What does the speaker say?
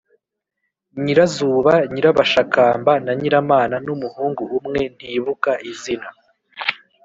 nyirazuba, nyirabashakamba na nyiramana n’umuhungu umwe ntibuka izina.